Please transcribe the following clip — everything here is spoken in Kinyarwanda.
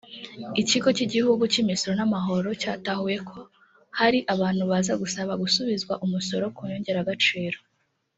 Ikigo cy’Igihugu cy’Imisoro n’amahoro cyatahuye ko hari abantu baza gusaba gusubizwa umusoro ku nyongeragaciro